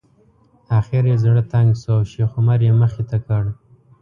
اخر یې زړه تنګ شو او شیخ عمر یې مخې ته کړ.